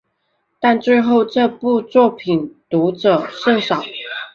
但最后这部作品读者甚少。